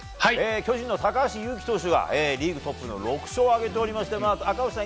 巨人の高橋優貴投手がリーグトップの６勝を挙げていまして赤星さん